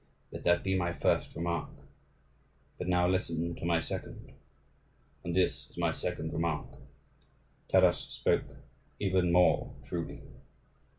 Let that be my first remark; but now listen to my second. And this is my second remark: Taras spoke even more truly.